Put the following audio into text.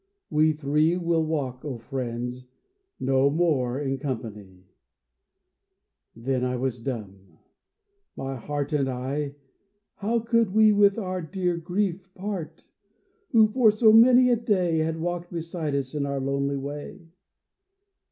We three Will walk, O friends, no more in company." Then was I dumb. My Heart And I — how could we with our dear Grief part, Who for so many a day Had walked beside us in our lonely way